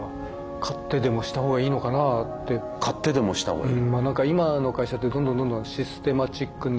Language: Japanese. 買ってでもしたほうがいい？